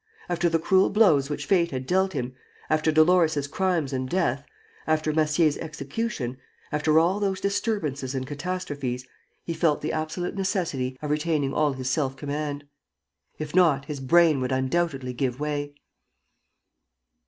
After the cruel blows which fate had dealt him, after Dolores' crimes and death, after Massier's execution, after all those disturbances and catastrophes, he felt the absolute necessity of retaining all his self command. If not, his brain would undoubtedly give way.